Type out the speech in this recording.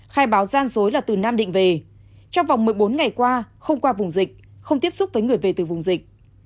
khai báo gian dối là từ nam định về trong vòng một mươi bốn ngày qua không qua vùng dịch không tiếp xúc với người về từ vùng dịch